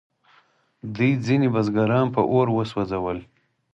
دوی ځینې بزګران په اور وسوځول.